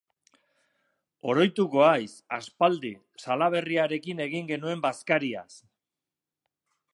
Oroituko haiz, aspaldi, Salaberriarekin egin genuen bazkariaz.